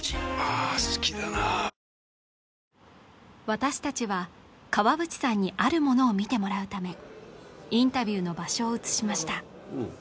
私たちは川淵さんにあるものを見てもらうためインタビューの場所を移しました